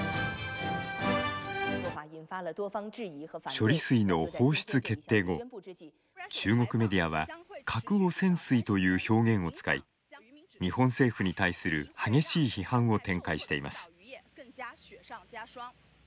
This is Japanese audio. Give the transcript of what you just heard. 処理水の放出決定後中国メディアは核汚染水という表現を使い日本政府に対する激しい批判を展開しています。